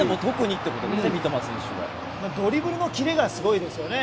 ドリブルのキレがすごいですよね。